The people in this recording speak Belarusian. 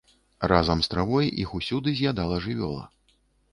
Разам з травой іх усюды з'ядала жывёла.